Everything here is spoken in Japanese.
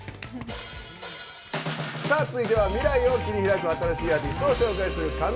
続いては未来を切り開く新しいアーティストを紹介する「ＣｏｍｉｎｇＵｐ！」。